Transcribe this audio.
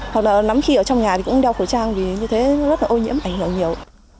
hoặc là nắm khi ở trong nhà thì cũng đeo khẩu trang vì như thế rất là ô nhiễm ảnh hưởng nhiều